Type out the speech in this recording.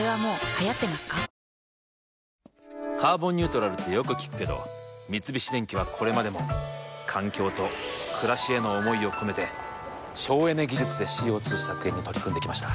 コリャ「カーボンニュートラル」ってよく聞くけど三菱電機はこれまでも環境と暮らしへの思いを込めて省エネ技術でＣＯ２削減に取り組んできました。